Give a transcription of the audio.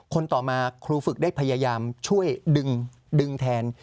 ต่อมาครูฝึกได้พยายามช่วยดึงแทน